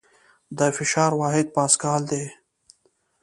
د فشار واحد پاسکال دی.